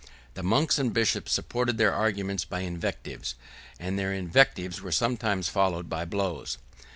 The monks and bishops supported their arguments by invectives; and their invectives were sometimes followed by blows.